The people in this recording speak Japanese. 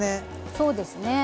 そうですね。